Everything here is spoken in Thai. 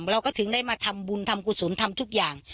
เราก็ถึงได้มาทำบุญทำกุศลทำทุกอย่าง